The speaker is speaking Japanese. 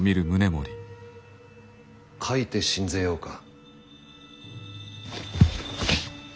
書いて進ぜようか。